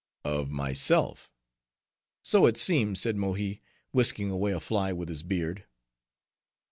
"Of myself." "So it seems," said Mohi, whisking away a fly with his beard.